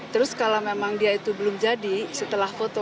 terus kalau memang dia itu belum jadi setelah foto